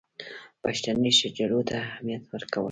پښتني شجرو ته اهمیت ورکړو.